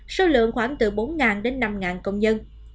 số lượng khoảng từ bốn đến năm công nhân